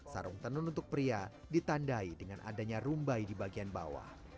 sarung tenun untuk pria ditandai dengan adanya rumbai di bagian bawah